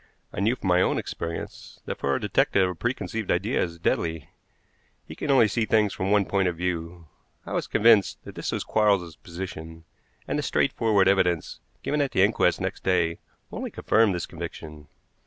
I knew from my own experience that for a detective a preconceived idea is deadly. He can only see things from one point of view. I was convinced this was Quarles's position, and the straightforward evidence given at the inquest next day only confirmed this conviction.